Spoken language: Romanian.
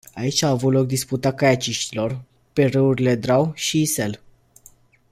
Aici a avut loc disputa kaiaciștilor, pe râurile Drau și Isel.